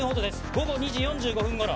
午後２時４５分ごろ。